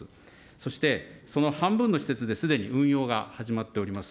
そして、その半分の施設ですでに運用が始まっております。